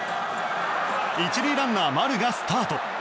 １塁ランナー、丸がスタート。